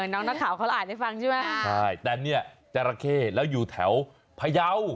น้องนักข่าวเขาอ่านให้ฟังใช่ไหมใช่แต่เนี่ยจราเข้แล้วอยู่แถวพยาว